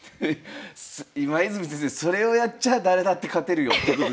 今泉先生それをやっちゃあ誰だって勝てるよってことですね？